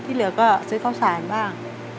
เหลือก็ซื้อข้าวสารบ้าง